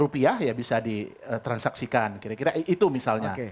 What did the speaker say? rupiah ya bisa di transaksikan kira kira itu misalnya